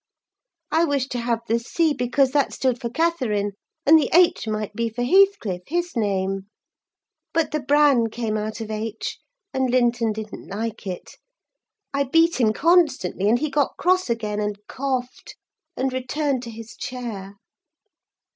I wished to have the C., because that stood for Catherine, and the H. might be for Heathcliff, his name; but the bran came out of H., and Linton didn't like it. I beat him constantly; and he got cross again, and coughed, and returned to his chair.